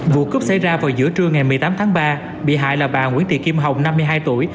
vụ cướp xảy ra vào giữa trưa ngày một mươi tám tháng ba bị hại là bà nguyễn tị kim hồng năm mươi hai tuổi